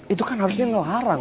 itu kan harusnya ngelarang